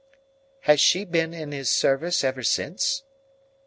"Has she been in his service ever since?"